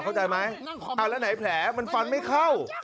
เข้าใจไหมแล้วไหนแผลมันฟันไม่เข้า